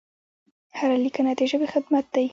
هره لیکنه د ژبې خدمت دی.